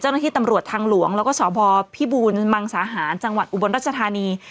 เจ้าหน้าที่ตำรวจทางหลวงแล้วก็สพพิบูรมังสาหารจังหวัดอุบลรัชธานี